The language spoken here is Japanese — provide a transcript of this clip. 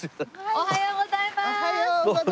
おはようございます！